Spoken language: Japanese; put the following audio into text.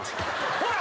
ほら。